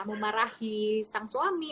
memarahi sang suami